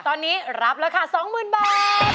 ตอนนี้รับราคา๒๐๐๐บาท